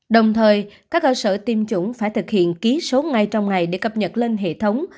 đồng thời các cơ sở tiêm chủng phải thực hiện ký số ngay trong ngày để cập nhật lên hệ thống